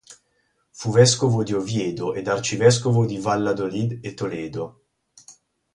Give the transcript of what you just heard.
Fu vescovo di Oviedo ed arcivescovo di Valladolid e Toledo.